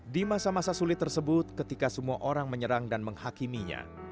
di masa masa sulit tersebut ketika semua orang menyerang dan menghakiminya